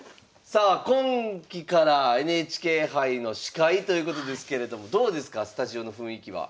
さあ今期からＮＨＫ杯の司会ということですけれどもどうですかスタジオの雰囲気は。